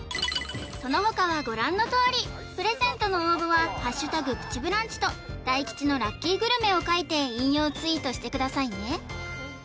そのほかはご覧のとおりプレゼントの応募は「＃プチブランチ」と大吉のラッキーグルメを書いて引用ツイートしてくださいね